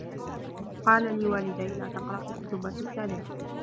قال لي والدي، لا تقرأ الكتب في السرير.